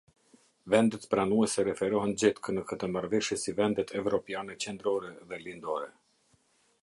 Vendet pranuese referohen gjetkë në këtë Marrëveshje si vendet Evropiane Qendrore dhe Lindore.